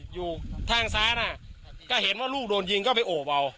อยู่ทางซ้ายน่ะก็เห็นว่าลูกโดนยิงก็ไปโอบเอา